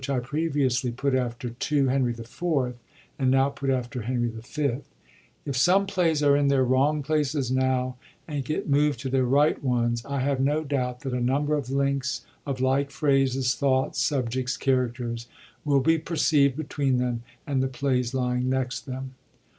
I previously put after 2 Henry /F., and now put after Henry V, If some plays are in their wrong places now, and get moved to their right ones, I have no doubt that a number of links of like phrases, thoughts, subjects, characters, will be perceivd between them and the plays lying next them.